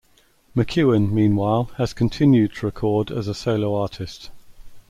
McEuen, meanwhile, has continued to record as a solo artist.